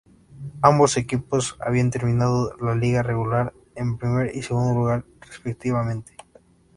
Ambos equipos habían terminado la liga regular en primer y segundo lugar respectivamente.